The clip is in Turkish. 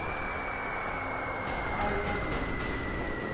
Ailem yok.